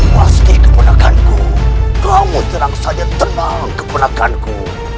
pasti keponakanku kamu tenang saja tenang keponakanku